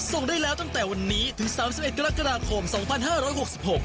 ส่งได้แล้วตั้งแต่วันนี้๓๑กรกษภม๒๕๖๖